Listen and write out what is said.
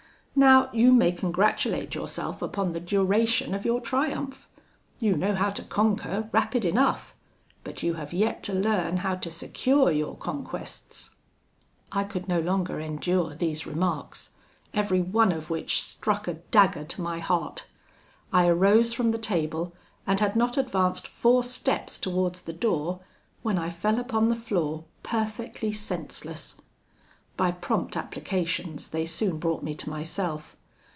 Now, you may congratulate yourself upon the duration of your triumph. You know how to conquer, rapid enough; but you have yet to learn how to secure your conquests.' "I could no longer endure these remarks, every one of which struck a dagger to my heart. I arose from the table, and had not advanced four steps towards the door, when I fell upon the floor, perfectly senseless. By prompt applications they soon brought me to myself.